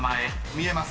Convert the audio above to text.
見えます。